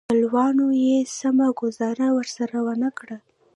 خپلوانو یې سمه ګوزاره ورسره ونه کړه.